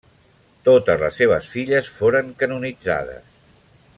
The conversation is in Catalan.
Totes les seves filles foren canonitzades.